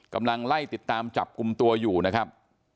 กำลังไล่ติดตามจับกลุ่มตัวอยู่นะครับ